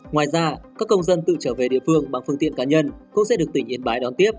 ngoài ra các công dân tự trở về địa phương bằng phương tiện cá nhân cũng sẽ được tỉnh yên bái đón tiếp